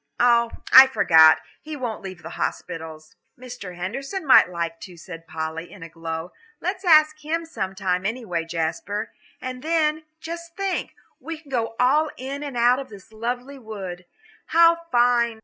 Oh, I forgot; he won't leave the hospitals." "Mr. Henderson might like to," said Polly, in a glow, "let's ask him sometime, anyway, Jasper. And then, just think, we can go all in and out this lovely wood. How fine!"